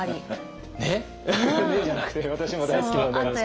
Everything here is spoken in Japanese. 「ね！」じゃなくて私も大好きなので。